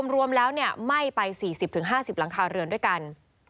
รวมแล้วไหม้ไป๔๐๕๐หลังคาเรือนด้วยกัน